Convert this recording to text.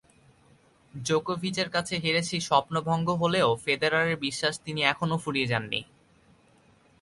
জোকোভিচের কাছে হেরে সেই স্বপ্নভঙ্গ হলেও ফেদেরারের বিশ্বাস, তিনি এখনো ফুরিয়ে যাননি।